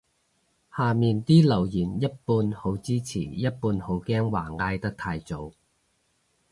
下面啲留言一半好支持一半好驚話嗌得太早